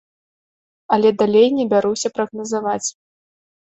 А далей не бяруся прагназаваць.